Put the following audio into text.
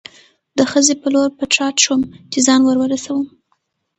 د خزې په لور په تراټ شوم، چې ځان ور ورسوم.